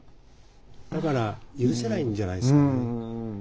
だから許せないんじゃないですかね。